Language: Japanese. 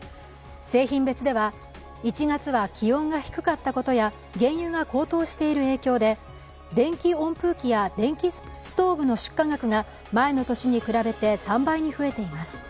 製品別では１月は気温が低かったことや原油が高騰している影響で電気温風機や電気ストーブの出荷が前の年に比べて３倍に増えています